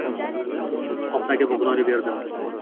Qopdagi bug`doyni berdim